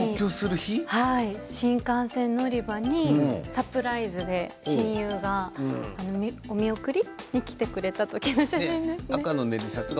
新幹線乗り場にサプライズで親友がお見送りに来てくれた時の写真です。